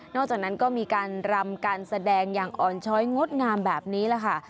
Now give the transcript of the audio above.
จากนั้นก็มีการรำการแสดงอย่างอ่อนช้อยงดงามแบบนี้แหละค่ะ